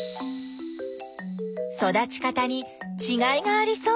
育ち方にちがいがありそう。